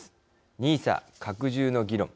ＮＩＳＡ、拡充の議論。